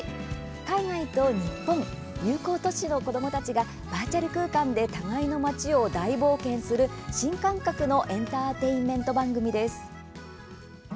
海外と日本友好都市の子どもたちがバーチャル空間で互いの街を大冒険する新感覚のエンターテインメント番組です。